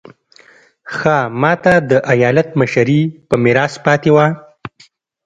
خاما ته د ایالت مشري په میراث پاتې وه.